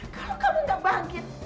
kalau kamu tidak bangkit